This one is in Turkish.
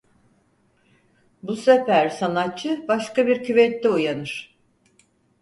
Bu sefer sanatçı başka bir küvette uyanır.